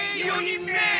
４人目！